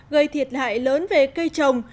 gây thiệt hại lớn về cây trồng